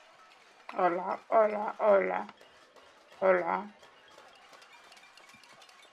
Both are state integrated Catholic schools.